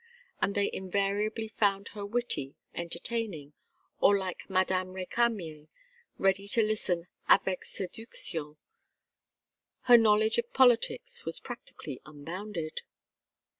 And they invariably found her witty, entertaining, or, like Madame Récamier, ready to listen "avec seduction." Her knowledge of politics was practically unbounded.